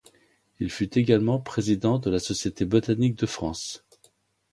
Il fut également Président de la Société botanique de France.